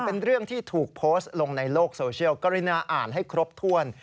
เป็นเรื่องที่ถูกโพสต์ลงในโลกโซเชียลกรุณาอ่านให้ครบถ้วน